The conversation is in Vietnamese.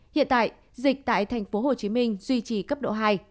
hiện tại dịch tại tp hcm duy trì cấp độ hai